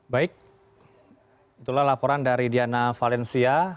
baik itulah laporan dari diana valencia